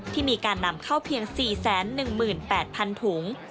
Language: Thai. ที่มีการนำเข้าเพียง๔๑๘๐๐๐ถุง